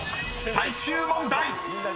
最終問題］